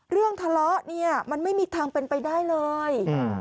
เรื่องทะเลาะเนี่ยมันไม่มีทางเป็นไปได้เลย